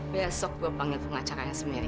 besok gue panggil pengacaranya sama meri